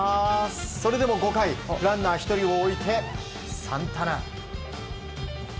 それでも５回ランナー１人を置いてサンタナ。